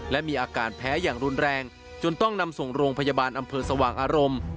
และมีอาการแพ้อย่างรุนแรงจนต้องนำส่งโรงพยาบาลอำเภอสว่างอารมณ์